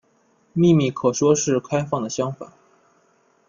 秘密可说是开放的相反。